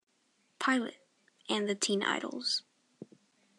Pilot, and the Teen Idols.